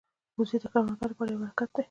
وزې د کروندګرو لپاره یو برکت دي